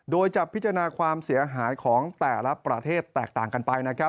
โดยจะพิจารณาความเสียหายของแต่ละประเทศแตกต่างกันไปนะครับ